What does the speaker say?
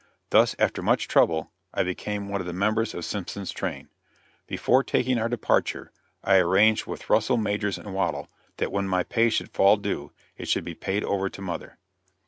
Thus, after much trouble, I became one of the members of Simpson's train. Before taking our departure, I arranged with Russell, Majors & Waddell that when my pay should fall due it should be paid over to mother.